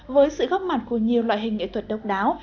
với sự góp mặt của nhiều loại hình nghệ thuật độc đáo